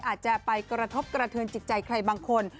อาจจะไปกระทบกระเทินจิตใจใครบางคน